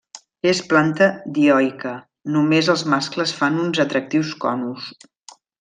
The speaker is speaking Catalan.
És planta dioica, només els mascles fan uns atractius conus.